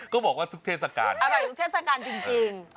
บอกว่าทุกเทศกาลอร่อยทุกเทศกาลจริง